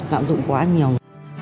lạm dụng quá nhiều